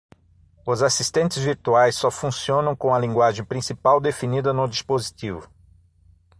Os assistentes virtuais só funcionam com a linguagem principal definida no dispositivo.